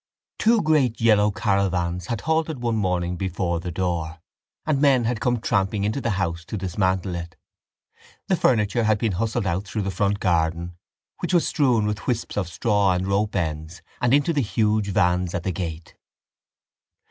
Two great yellow caravans had halted one morning before the door and men had come tramping into the house to dismantle it. The furniture had been hustled out through the front garden which was strewn with wisps of straw and rope ends and into the huge vans at the gate.